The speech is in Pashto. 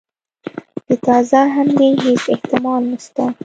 د تازه حملې هیڅ احتمال نسته.